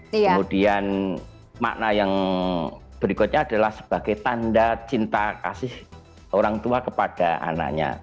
kemudian makna yang berikutnya adalah sebagai tanda cinta kasih orang tua kepada anaknya